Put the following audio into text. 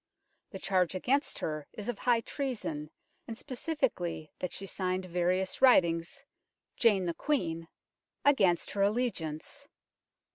The charge against her is of high treason, and specifically that she signed various writings " Jane the Queene, '' against her allegiance.